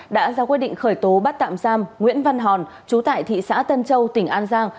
đã ra quyết định khởi tố bắt tạm giam nguyễn văn hòn chú tại thị xã tân châu tỉnh an giang